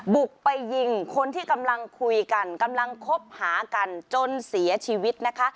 บุกไปยิงคนที่กำลังคุยกันกำลังคบหากันจนเสียชีวิตนะคะ